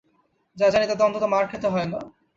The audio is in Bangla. যা জানি তাতে অন্তত মার খেতে হয় না।